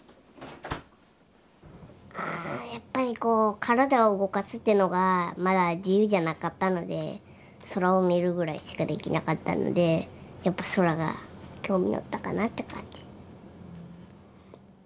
やっぱりこう体を動かすっていうのがまだ自由じゃなかったので空を見るぐらいしかできなかったのでやっぱ空が興味持ったかなって感じ